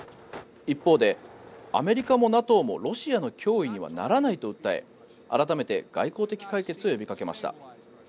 一方で、アメリカもＮＡＴＯもロシアの脅威にはならないと訴え改めて外交的解決を呼びかけました。